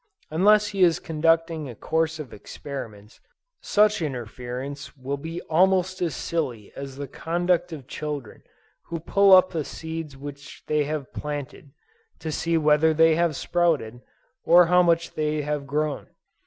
Unless he is conducting a course of experiments, such interference will be almost as silly as the conduct of children who pull up the seeds which they have planted, to see whether they have sprouted, or how much they have grown.